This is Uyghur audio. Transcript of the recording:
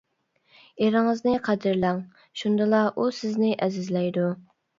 ئېرىڭىزنى قەدىرلەڭ، شۇندىلا ئۇ سىزنى ئەزىزلەيدۇ.